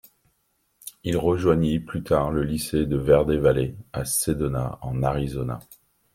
Il rejoignit plus tard le lycée de Verde Valley à Sedona en Arizona.